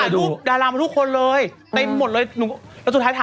ดูคลิปหน่อยค่ะ